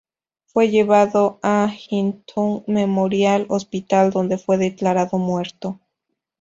Fue llevado al Huntington Memorial Hospital, donde fue declarado muerto.